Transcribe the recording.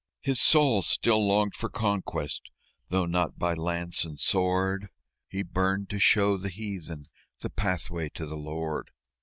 His soul still longed for conquest, though not by lance and sword; He burned to show the Heathen the pathway to the Lord.